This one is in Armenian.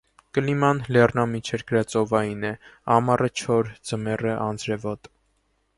Կլիման լեռնամիջերկրածովային է (ամառը՝ չոր, ձմեռը՝ անձրևոտ)։